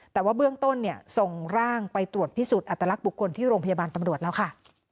แต่ว่าเบื้องต้นเนี่ยส่งร่างไปตรวจพิสูจน์อัตลักษณ์บุคคลที่โรงพยาบาลตำรวจแล้วค่ะ